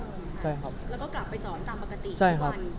แล้วก็กลับไปสอนตามปกติ